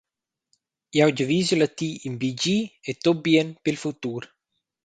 Jeu giavischel a ti in bi di e tut bien pil futur.